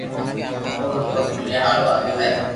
او رو دوست مليا ھارو آيو ھي